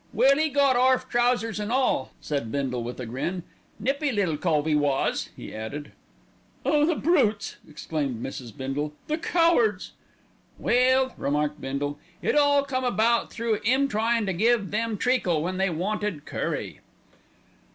"Well, 'e got orf, trousers an' all," said Bindle with a grin. "Nippy little cove 'e was," he added. "Oh, the brutes!" exclaimed Mrs. Bindle. "The cowards!" "Well," remarked Bindle, "it all come about through 'im tryin' to give 'em treacle when they wanted curry."